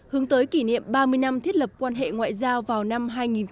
hướng tới kỷ niệm ba mươi năm thiết lập quan hệ ngoại giao vào năm hai nghìn hai mươi